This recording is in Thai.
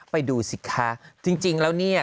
ไปดูสิคะจริงแล้วเนี่ย